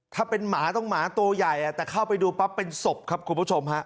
ถ้าเป็นหมาต้องหมาตัวใหญ่แต่เข้าไปดูปั๊บเป็นศพครับคุณผู้ชมฮะ